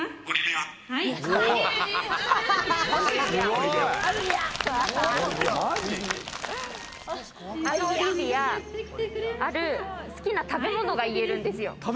オリビア、ある好きな食べ物が言えるんですよ。